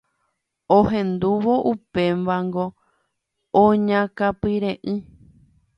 Ohendúvo upévango oñakãpire'ỹi.